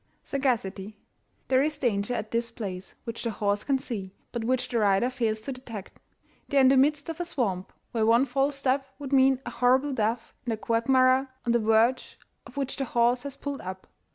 SAGACITY. There is danger at this place which the horse can see, but which the rider fails to detect. They are in the midst of a swamp where one false step would mean a horrible death in the quagmire on the verge of which the horse has pulled up.